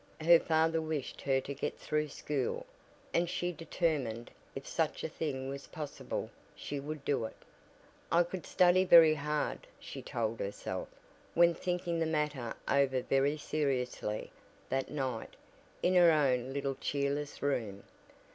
Her father wished her to get through school, and she determined, if such a thing was possible she would do it. "I could study very hard," she told herself, when thinking the matter over very seriously, that night, in her own little cheerless room.